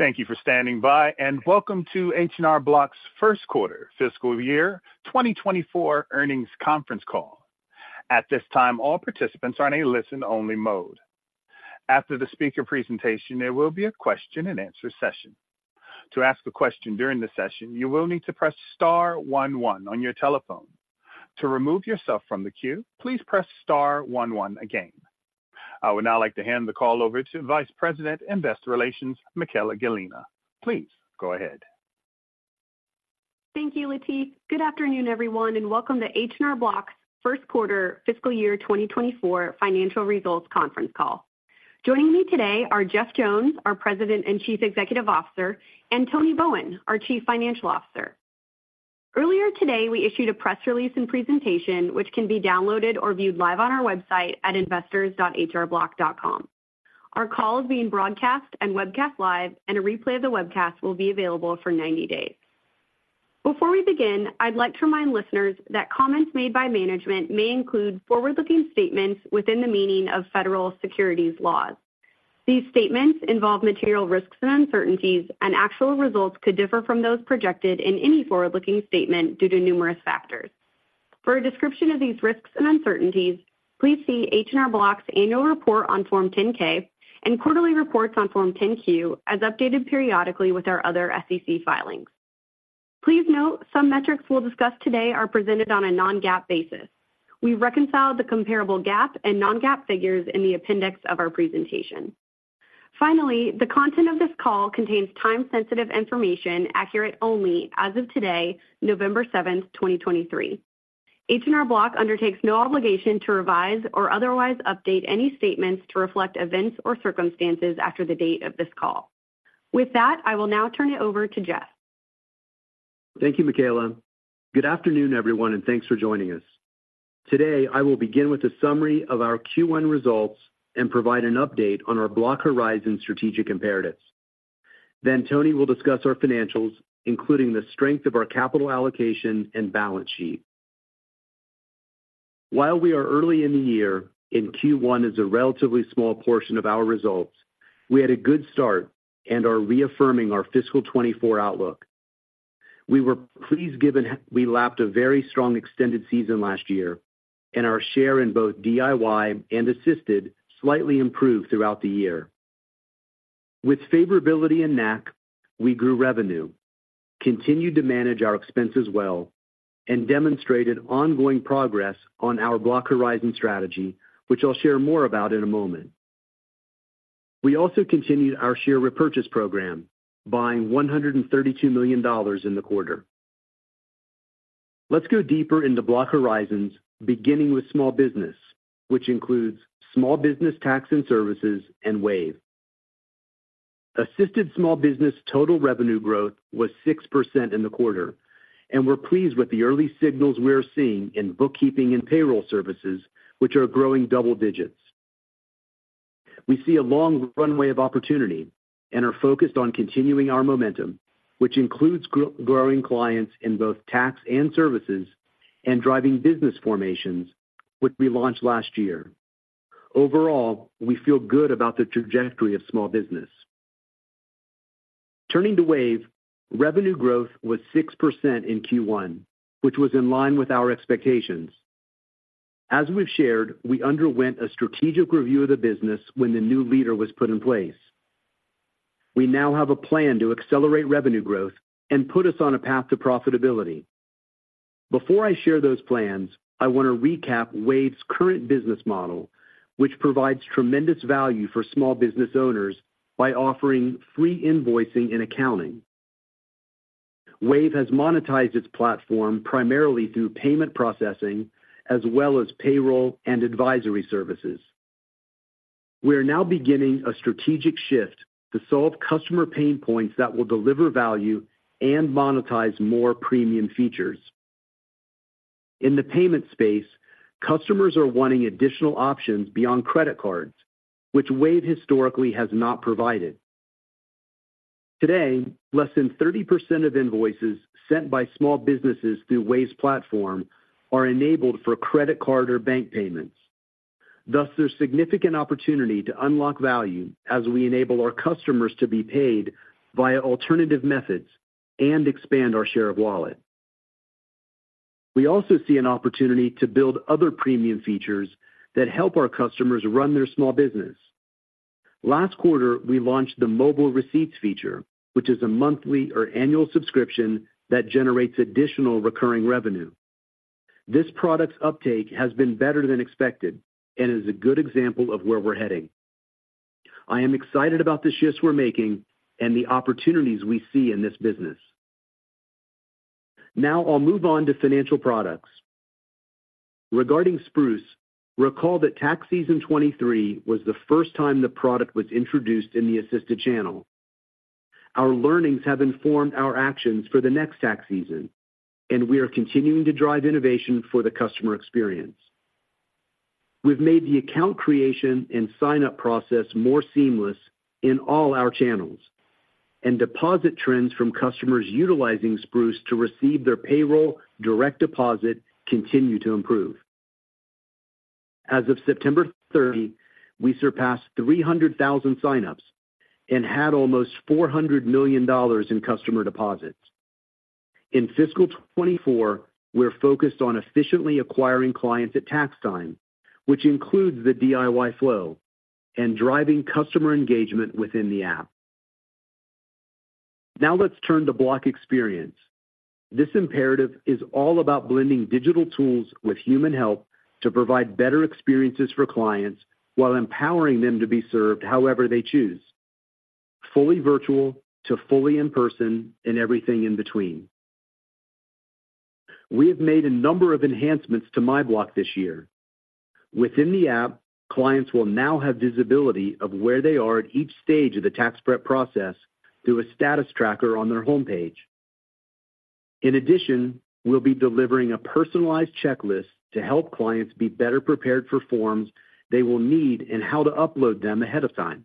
Thank you for standing by, and welcome to H&R Block's First Quarter Fiscal Year 2024 Earnings Conference Call. At this time, all participants are in a listen-only mode. After the speaker presentation, there will be a question-and-answer session. To ask a question during the session, you will need to press star one one on your telephone. To remove yourself from the queue, please press star one one again. I would now like to hand the call over to Vice President, Investor Relations, Michaella Gallina. Please go ahead. Thank you, Latif. Good afternoon, everyone, and welcome to H&R Block's First Quarter Fiscal Year 2024 Financial Results Conference Call. Joining me today are Jeff Jones, our President and Chief Executive Officer, and Tony Bowen, our Chief Financial Officer. Earlier today, we issued a press release and presentation, which can be downloaded or viewed live on our website at investors.hrblock.com. Our call is being broadcast and webcast live, and a replay of the webcast will be available for 90 days. Before we begin, I'd like to remind listeners that comments made by management may include forward-looking statements within the meaning of federal securities laws. These statements involve material risks and uncertainties, and actual results could differ from those projected in any forward-looking statement due to numerous factors. For a description of these risks and uncertainties, please see H&R Block's annual report on Form 10-K and quarterly reports on Form 10-Q, as updated periodically with our other SEC filings. Please note, some metrics we'll discuss today are presented on a non-GAAP basis. We reconcile the comparable GAAP and non-GAAP figures in the appendix of our presentation. Finally, the content of this call contains time-sensitive information, accurate only as of today, November 7, 2023. H&R Block undertakes no obligation to revise or otherwise update any statements to reflect events or circumstances after the date of this call. With that, I will now turn it over to Jeff. Thank you, Michaella. Good afternoon, everyone, and thanks for joining us. Today, I will begin with a summary of our Q1 results and provide an update on our Block Horizons strategic imperatives. Then Tony will discuss our financials, including the strength of our capital allocation and balance sheet. While we are early in the year, and Q1 is a relatively small portion of our results, we had a good start and are reaffirming our fiscal 2024 outlook. We were pleased, given we lapped a very strong extended season last year, and our share in both DIY and assisted slightly improved throughout the year. With favorability and NAC, we grew revenue, continued to manage our expenses well, and demonstrated ongoing progress on our Block Horizons strategy, which I'll share more about in a moment. We also continued our share repurchase program, buying $132 million in the quarter. Let's go deeper into Block Horizons, beginning with small business, which includes small business tax and services and Wave. Assisted small business total revenue growth was 6% in the quarter, and we're pleased with the early signals we are seeing in bookkeeping and payroll services, which are growing double digits. We see a long runway of opportunity and are focused on continuing our momentum, which includes growing clients in both tax and services and driving business formations, which we launched last year. Overall, we feel good about the trajectory of small business. Turning to Wave, revenue growth was 6% in Q1, which was in line with our expectations. As we've shared, we underwent a strategic review of the business when the new leader was put in place. We now have a plan to accelerate revenue growth and put us on a path to profitability. Before I share those plans, I want to recap Wave's current business model, which provides tremendous value for small business owners by offering free invoicing and accounting. Wave has monetized its platform primarily through payment processing as well as payroll and advisory services. We are now beginning a strategic shift to solve customer pain points that will deliver value and monetize more premium features. In the payment space, customers are wanting additional options beyond credit cards, which Wave historically has not provided. Today, less than 30% of invoices sent by small businesses through Wave's platform are enabled for credit card or bank payments. Thus, there's significant opportunity to unlock value as we enable our customers to be paid via alternative methods and expand our share of wallet. We also see an opportunity to build other premium features that help our customers run their small business. Last quarter, we launched the mobile receipts feature, which is a monthly or annual subscription that generates additional recurring revenue. This product's uptake has been better than expected and is a good example of where we're heading. I am excited about the shifts we're making and the opportunities we see in this business. Now I'll move on to financial products. Regarding Spruce, recall that tax season 2023 was the first time the product was introduced in the assisted channel. Our learnings have informed our actions for the next tax season, and we are continuing to drive innovation for the customer experience. We've made the account creation and sign-up process more seamless in all our channels, and deposit trends from customers utilizing Spruce to receive their payroll direct deposit continue to improve. As of September 30, we surpassed 300,000 signups and had almost $400 million in customer deposits. In fiscal 2024, we're focused on efficiently acquiring clients at tax time, which includes the DIY flow and driving customer engagement within the app. Now let's turn to Block Experience. This imperative is all about blending digital tools with human help to provide better experiences for clients while empowering them to be served however they choose, fully virtual to fully in person and everything in between. We have made a number of enhancements to MyBlock this year. Within the app, clients will now have visibility of where they are at each stage of the tax prep process through a status tracker on their homepage. In addition, we'll be delivering a personalized checklist to help clients be better prepared for forms they will need and how to upload them ahead of time.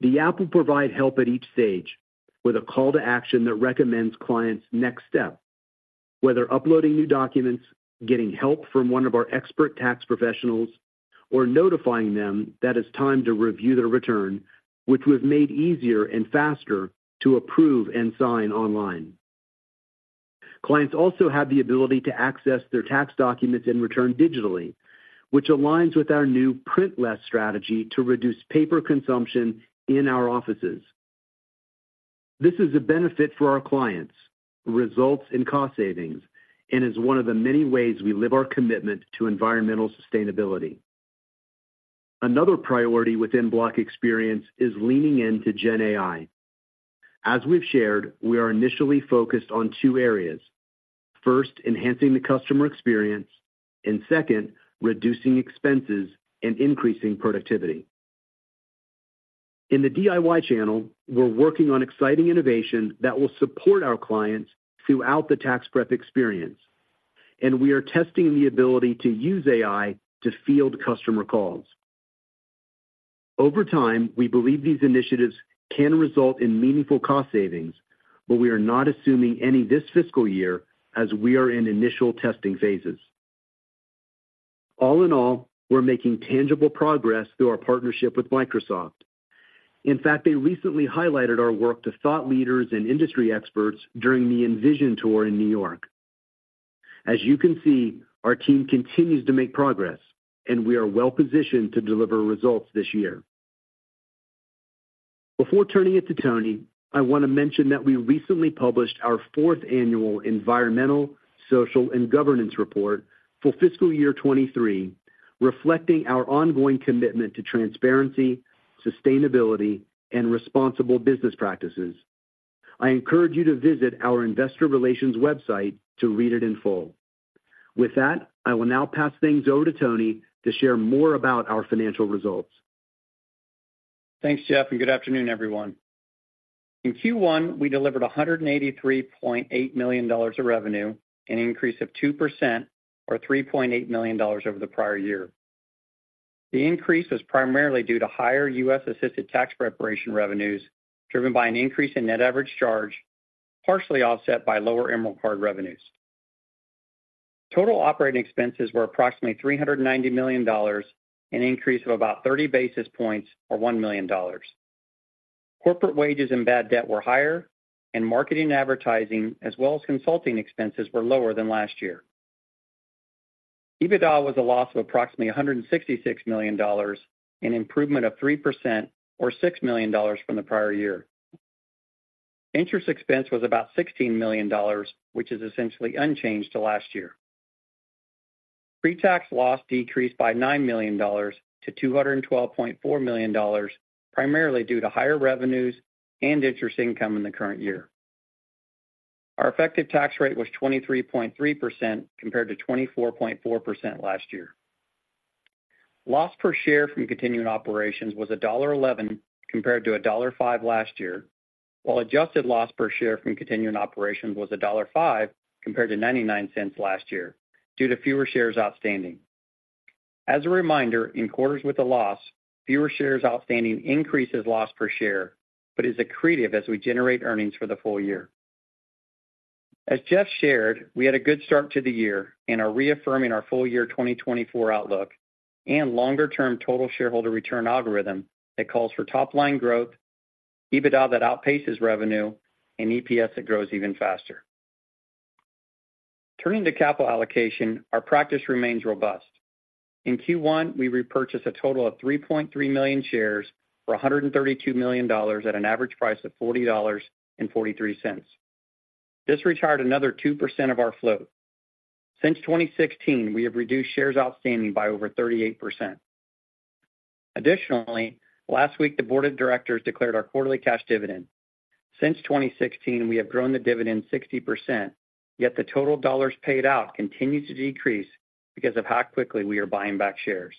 The app will provide help at each stage with a call to action that recommends clients' next step, whether uploading new documents, getting help from one of our expert tax professionals, or notifying them that it's time to review their return, which we've made easier and faster to approve and sign online. Clients also have the ability to access their tax documents and return digitally, which aligns with our new print less strategy to reduce paper consumption in our offices. This is a benefit for our clients, results in cost savings, and is one of the many ways we live our commitment to environmental sustainability. Another priority within Block Experience is leaning into Gen AI. As we've shared, we are initially focused on two areas. First, enhancing the customer experience, and second, reducing expenses and increasing productivity. In the DIY channel, we're working on exciting innovation that will support our clients throughout the tax prep experience, and we are testing the ability to use AI to field customer calls. Over time, we believe these initiatives can result in meaningful cost savings, but we are not assuming any this fiscal year as we are in initial testing phases. All in all, we're making tangible progress through our partnership with Microsoft. In fact, they recently highlighted our work to thought leaders and industry experts during the Envision Tour in New York. As you can see, our team continues to make progress and we are well positioned to deliver results this year. Before turning it to Tony, I want to mention that we recently published our fourth annual Environmental, Social, and Governance report for fiscal year 2023, reflecting our ongoing commitment to transparency, sustainability, and responsible business practices. I encourage you to visit our investor relations website to read it in full. With that, I will now pass things over to Tony to share more about our financial results. Thanks, Jeff, and good afternoon, everyone. In Q1, we delivered $183.8 million of revenue, an increase of 2% or $3.8 million over the prior year. The increase was primarily due to higher U.S.-assisted tax preparation revenues, driven by an increase in net average charge, partially offset by lower Emerald Card revenues. Total operating expenses were approximately $390 million, an increase of about 30 basis points or $1 million. Corporate wages and bad debt were higher, and marketing advertising as well as consulting expenses were lower than last year. EBITDA was a loss of approximately $166 million, an improvement of 3% or $6 million from the prior year. Interest expense was about $16 million, which is essentially unchanged to last year. Pre-tax loss decreased by $9 million to $212.4 million, primarily due to higher revenues and interest income in the current year. Our effective tax rate was 23.3%, compared to 24.4% last year. Loss per share from continuing operations was $1.11 compared to $1.05 last year, while adjusted loss per share from continuing operations was $1.05 compared to $0.99 last year due to fewer shares outstanding. As a reminder, in quarters with a loss, fewer shares outstanding increases loss per share, but is accretive as we generate earnings for the full year. As Jeff shared, we had a good start to the year and are reaffirming our full year 2024 outlook and longer-term total shareholder return algorithm that calls for top-line growth, EBITDA that outpaces revenue, and EPS that grows even faster. Turning to capital allocation, our practice remains robust. In Q1, we repurchased a total of 3.3 million shares for $132 million at an average price of $40.43. This retired another 2% of our float. Since 2016, we have reduced shares outstanding by over 38%. Additionally, last week, the board of directors declared our quarterly cash dividend. Since 2016, we have grown the dividend 60%, yet the total dollars paid out continues to decrease because of how quickly we are buying back shares.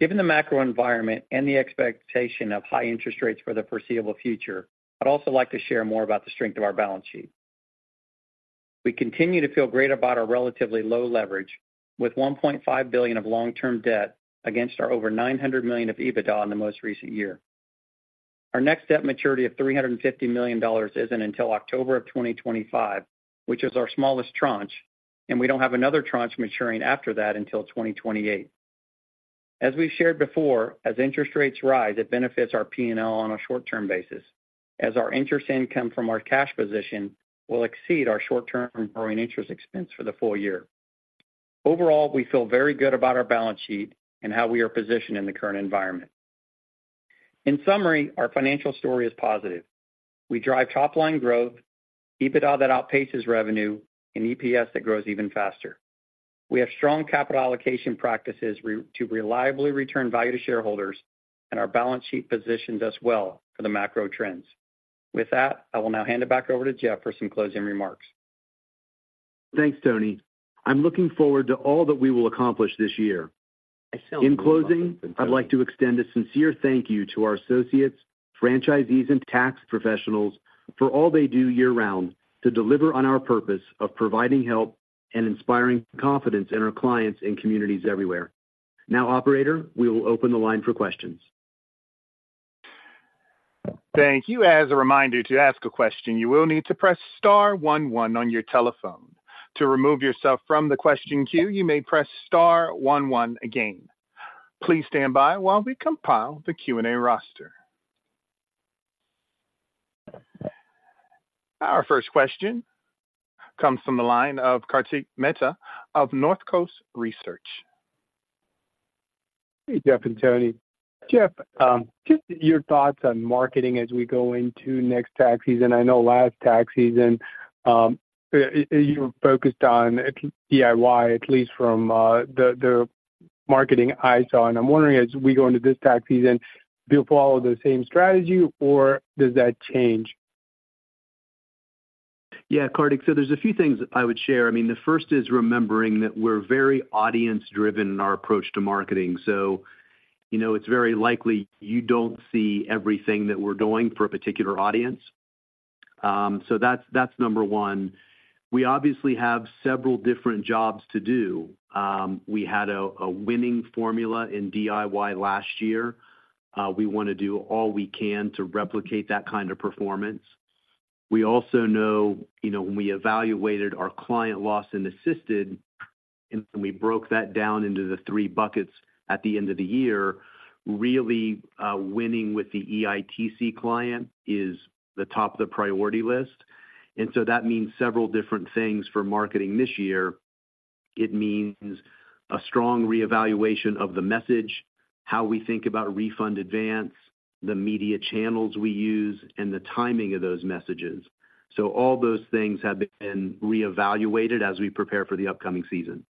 Given the macro environment and the expectation of high interest rates for the foreseeable future, I'd also like to share more about the strength of our balance sheet. We continue to feel great about our relatively low leverage, with $1.5 billion of long-term debt against our over $900 million of EBITDA in the most recent year. Our next debt maturity of $350 million isn't until October 2025, which is our smallest tranche, and we don't have another tranche maturing after that until 2028. As we've shared before, as interest rates rise, it benefits our P&L on a short-term basis, as our interest income from our cash position will exceed our short-term borrowing interest expense for the full year. Overall, we feel very good about our balance sheet and how we are positioned in the current environment. In summary, our financial story is positive. We drive top-line growth, EBITDA that outpaces revenue, and EPS that grows even faster. We have strong capital allocation practices to reliably return value to shareholders, and our balance sheet positions us well for the macro trends. With that, I will now hand it back over to Jeff for some closing remarks. Thanks, Tony. I'm looking forward to all that we will accomplish this year. In closing, I'd like to extend a sincere thank you to our associates, franchisees, and tax professionals for all they do year-round to deliver on our purpose of providing help and inspiring confidence in our clients and communities everywhere. Now, operator, we will open the line for questions. Thank you. As a reminder, to ask a question, you will need to press star one one on your telephone. To remove yourself from the question queue, you may press star one one again. Please stand by while we compile the Q&A roster. Our first question comes from the line of Kartik Mehta of Northcoast Research. Hey, Jeff and Tony. Jeff, just your thoughts on marketing as we go into next tax season. I know last tax season, you were focused on DIY, at least from the marketing I saw. I'm wondering, as we go into this tax season, do you follow the same strategy or does that change? Yeah, Kartik. So there's a few things I would share. I mean, the first is remembering that we're very audience-driven in our approach to marketing. So you know, it's very likely you don't see everything that we're doing for a particular audience. So that's, that's number one. We obviously have several different jobs to do. We had a winning formula in DIY last year. We want to do all we can to replicate that kind of performance. We also know, you know, when we evaluated our client loss and assisted, and we broke that down into the three buckets at the end of the year, really, winning with the EITC client is the top of the priority list, and so that means several different things for marketing this year. It means a strong reevaluation of the message, how we think about Refund Advance, the media channels we use, and the timing of those messages. So all those things have been reevaluated as we prepare for the upcoming season.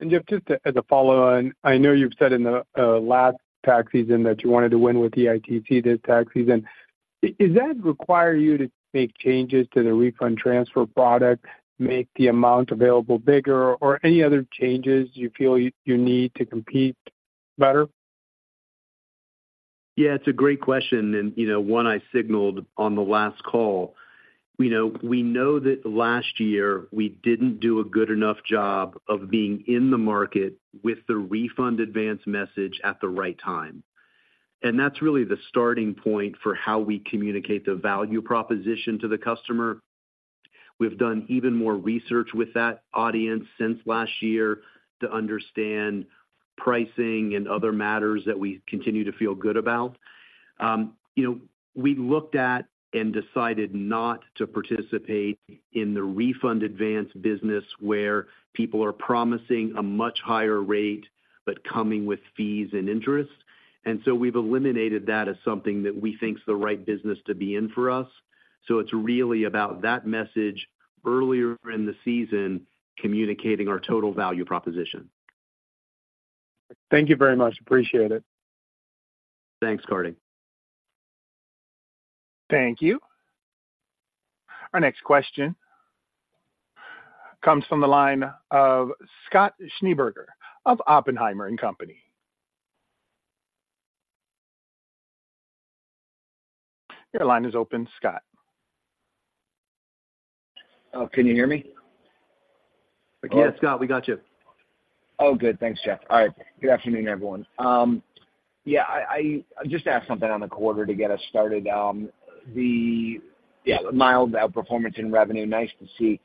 And, Jeff, just as a follow-on, I know you've said in the last tax season that you wanted to win with the EITC this tax season. Is that require you to make changes to the refund transfer product, make the amount available bigger, or any other changes you feel you need to compete better? Yeah, it's a great question and, you know, one I signaled on the last call. You know, we know that last year, we didn't do a good enough job of being in the market with the Refund Advance message at the right time. And that's really the starting point for how we communicate the value proposition to the customer. We've done even more research with that audience since last year to understand pricing and other matters that we continue to feel good about. You know, we looked at and decided not to participate in the Refund Advance business, where people are promising a much higher rate, but coming with fees and interest. And so we've eliminated that as something that we think is the right business to be in for us. So it's really about that message earlier in the season, communicating our total value proposition. Thank you very much. Appreciate it. Thanks, Kartik. Thank you. Our next question comes from the line of Scott Schneeberger of Oppenheimer and Company. Your line is open, Scott. Oh, can you hear me? Yeah, Scott, we got you. Oh, good. Thanks, Jeff. All right. Good afternoon, everyone. Yeah, I just ask something on the quarter to get us started. The mild outperformance in revenue, nice to see.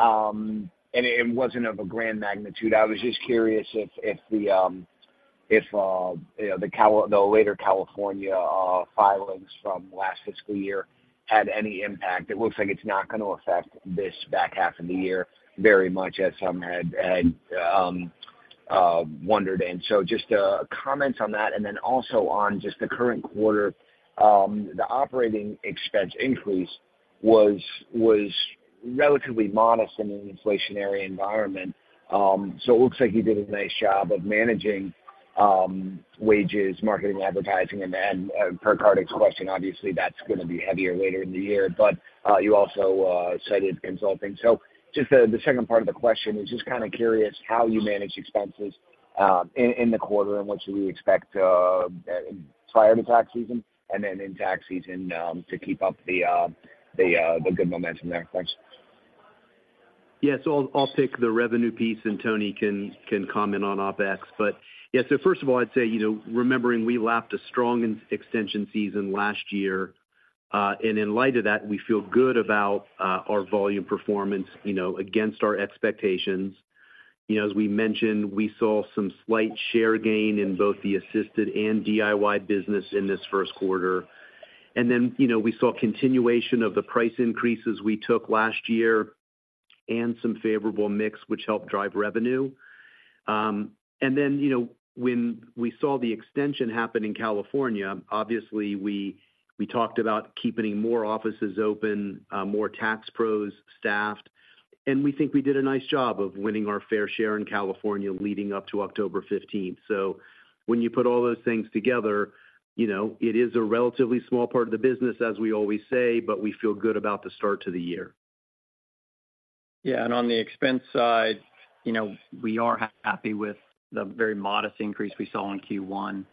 And it wasn't of a grand magnitude. I was just curious if the later California filings from last fiscal year had any impact. It looks like it's not going to affect this back half of the year very much, as some had wondered. And so just comments on that and then also on just the current quarter, the operating expense increase was relatively modest in an inflationary environment. So it looks like you did a nice job of managing wages, marketing, advertising, and then per Kartik's question, obviously, that's going to be heavier later in the year, but you also cited consulting. So just the second part of the question is just kind of curious how you manage expenses in the quarter, and what should we expect prior to tax season and then in tax season to keep up the good momentum there? Thanks. Yes, so I'll pick the revenue piece, and Tony can comment on OpEx. But yeah, so first of all, I'd say, you know, remembering we lapped a strong extension season last year, and in light of that, we feel good about our volume performance, you know, against our expectations. You know, as we mentioned, we saw some slight share gain in both the assisted and DIY business in this first quarter. And then, you know, we saw a continuation of the price increases we took last year and some favorable mix, which helped drive revenue. And then, you know, when we saw the extension happen in California, obviously, we talked about keeping more offices open, more tax pros staffed, and we think we did a nice job of winning our fair share in California leading up to October 15th. When you put all those things together, you know, it is a relatively small part of the business, as we always say, but we feel good about the start to the year. Yeah, and on the expense side, you know, we are happy with the very modest increase we saw in Q1.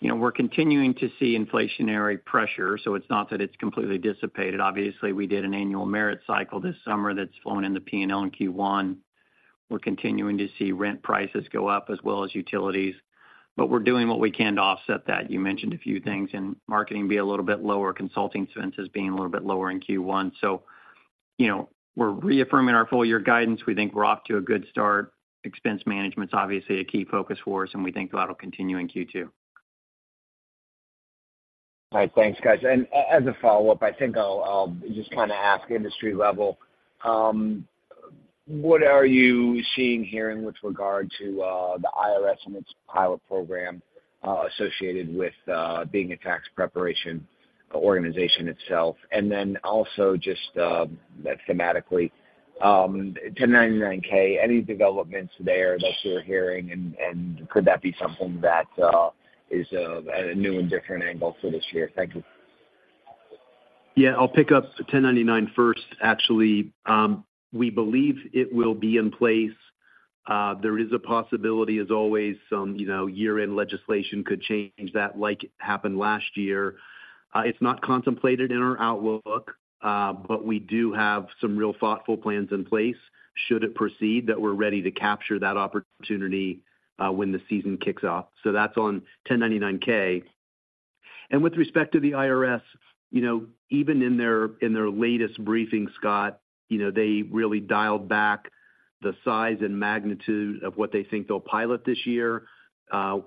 You know, we're continuing to see inflationary pressure, so it's not that it's completely dissipated. Obviously, we did an annual merit cycle this summer that's flowing in the P&L in Q1. We're continuing to see rent prices go up as well as utilities, but we're doing what we can to offset that. You mentioned a few things, in marketing be a little bit lower, consulting expenses being a little bit lower in Q1. So, you know, we're reaffirming our full year guidance. We think we're off to a good start. Expense management's obviously a key focus for us, and we think that'll continue in Q2. All right. Thanks, guys. As a follow-up, I think I'll just kind of ask industry level, what are you seeing here in with regard to the IRS and its pilot program associated with being a tax preparation organization itself? And then also just thematically, 1099-K, any developments there that you're hearing, and could that be something that is a new and different angle for this year? Thank you. Yeah, I'll pick up 1099 first, actually. We believe it will be in place. There is a possibility, as always, some, you know, year-end legislation could change that, like happened last year. It's not contemplated in our outlook, but we do have some real thoughtful plans in place, should it proceed, that we're ready to capture that opportunity, when the season kicks off. So that's on 1099-K. And with respect to the IRS, you know, even in their, in their latest briefing, Scott, you know, they really dialed back the size and magnitude of what they think they'll pilot this year.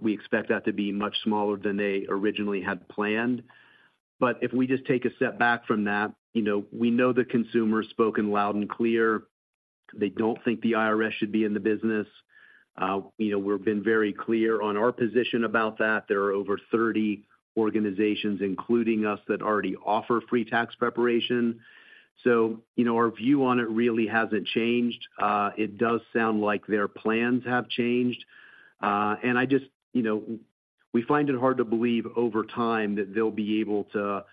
We expect that to be much smaller than they originally had planned. But if we just take a step back from that, you know, we know the consumer has spoken loud and clear. They don't think the IRS should be in the business. You know, we've been very clear on our position about that. There are over 30 organizations, including us, that already offer free tax preparation. So, you know, our view on it really hasn't changed. It does sound like their plans have changed. And I just, you know, we find it hard to believe over time that they'll be able to,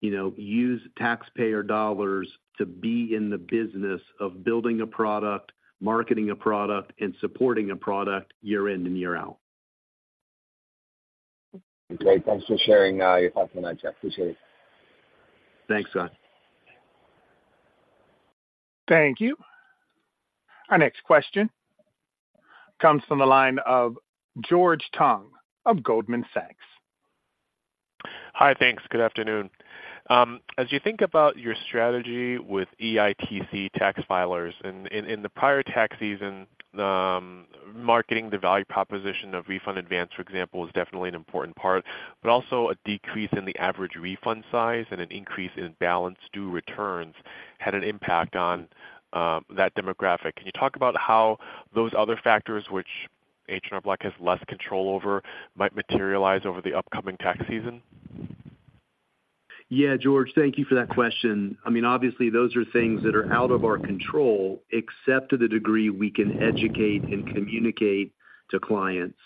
you know, use taxpayer dollars to be in the business of building a product, marketing a product, and supporting a product year in and year out. Great. Thanks for sharing, your thoughts on that, Jeff. Appreciate it. Thanks, Scott. Thank you. Our next question comes from the line of George Tong of Goldman Sachs. Hi, thanks. Good afternoon. As you think about your strategy with EITC tax filers, and in the prior tax season, marketing the value proposition of Refund Advance, for example, is definitely an important part, but also a decrease in the average refund size and an increase in balance due returns had an impact on that demographic. Can you talk about how those other factors, which H&R Block has less control over, might materialize over the upcoming tax season? Yeah, George, thank you for that question. I mean, obviously, those are things that are out of our control, except to the degree we can educate and communicate to clients.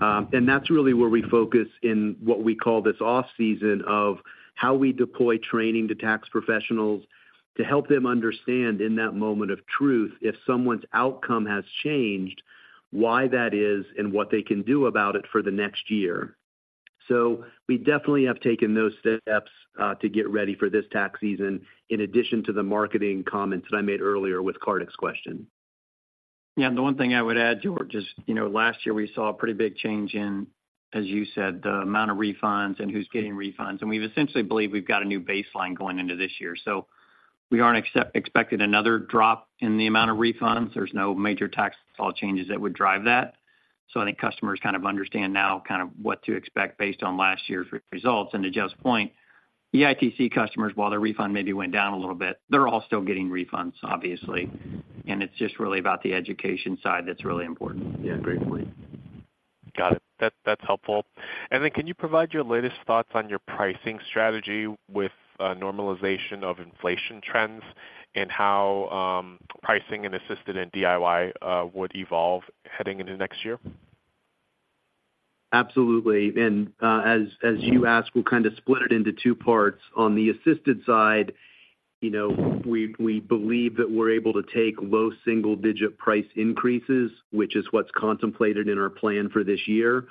And that's really where we focus in what we call this off-season of how we deploy training to tax professionals to help them understand in that moment of truth, if someone's outcome has changed, why that is and what they can do about it for the next year. So we definitely have taken those steps to get ready for this tax season, in addition to the marketing comments that I made earlier with Kartik's question. Yeah, the one thing I would add, George, is, you know, last year we saw a pretty big change in, as you said, the amount of refunds and who's getting refunds. And we've essentially believed we've got a new baseline going into this year. So we aren't expecting another drop in the amount of refunds. There's no major tax law changes that would drive that. So I think customers kind of understand now kind of what to expect based on last year's results. And to Jeff's point, EITC customers, while their refund maybe went down a little bit, they're all still getting refunds, obviously, and it's just really about the education side that's really important. Yeah, agree with you. Got it. That, that's helpful. And then, can you provide your latest thoughts on your pricing strategy with normalization of inflation trends and how pricing and assisted and DIY would evolve heading into next year? Absolutely, and, as, as you asked, we'll kind of split it into two parts. On the assisted side, you know, we, we believe that we're able to take low single-digit price increases, which is what's contemplated in our plan for this year.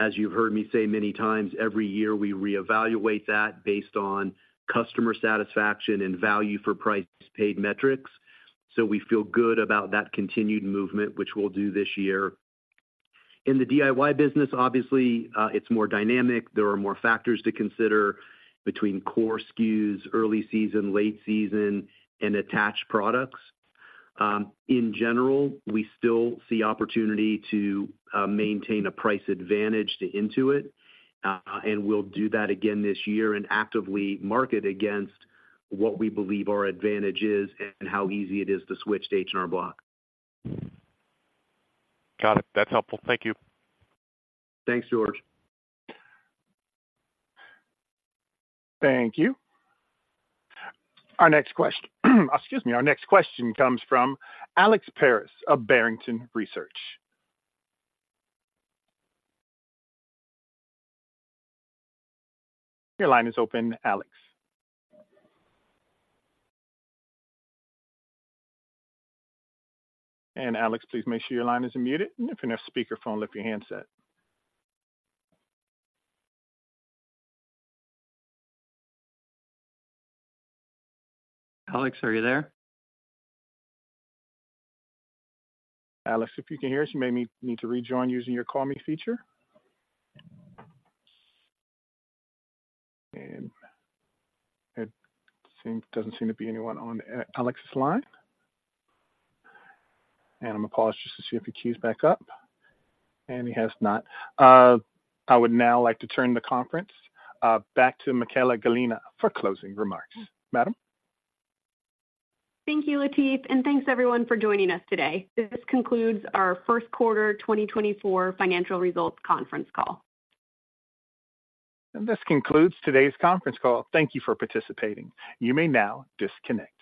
As you've heard me say many times, every year we reevaluate that based on customer satisfaction and value for price paid metrics. So we feel good about that continued movement, which we'll do this year. In the DIY business, obviously, it's more dynamic. There are more factors to consider between core SKUs, early season, late season, and attached products. In general, we still see opportunity to maintain a price advantage to Intuit, and we'll do that again this year and actively market against what we believe our advantage is and how easy it is to switch to H&R Block. Got it. That's helpful. Thank you. Thanks, George. Thank you. Our next question comes from Alex Paris of Barrington Research. Your line is open, Alex. And Alex, please make sure your line isn't muted, and if you're on speaker phone, lift your handset. Alex, are you there? Alex, if you can hear us, you may need to rejoin using your call me feature. And it doesn't seem to be anyone on Alex's line. I'm going to pause just to see if he queues back up, and he has not. I would now like to turn the conference back to Michaella Gallina for closing remarks. Madam? Thank you, Latif, and thanks everyone for joining us today. This concludes our first quarter 2024 financial results conference call. This concludes today's conference call. Thank you for participating. You may now disconnect.